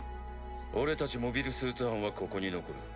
俺たちモビルスーツ班はここに残る。